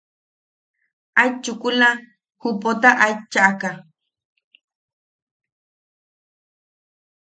Aet chukula ju Pota aet chaʼaka.